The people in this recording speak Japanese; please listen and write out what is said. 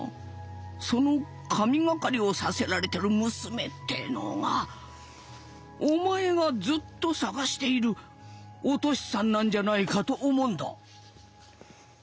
その神懸かりをさせられてる娘ってのがお前がずっと捜しているお敏さんなんじゃないかと思うんだ」。